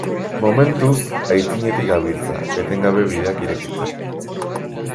Momentuz aitzinetik gabiltza, etengabe bideak irekitzen.